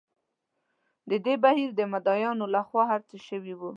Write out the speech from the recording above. د دې بهیر د مدعییانو له خوا هر څه شوي وو.